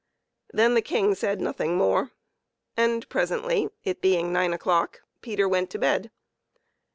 Then the King said nothing more, and presently, it being nine o'clock, Peter went to bed.